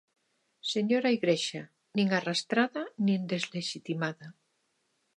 Señora Igrexa, nin arrastrada nin deslexitimada.